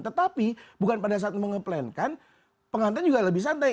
tetapi bukan pada saat mengeplankan pengantar juga lebih santai